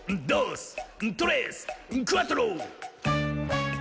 クアトロ！」